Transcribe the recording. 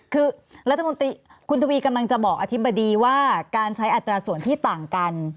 คือรัฐมนตรีคุณทวีกำลังจะบอกอธิบดีว่าการใช้อัตราส่วนที่ต่างกัน